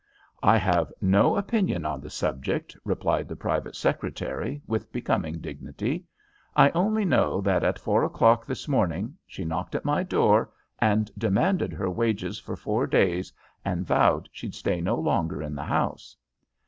"I have no opinion on the subject," replied the private secretary, with becoming dignity. "I only know that at four o'clock this morning she knocked at my door, and demanded her wages for four days, and vowed she'd stay no longer in the house."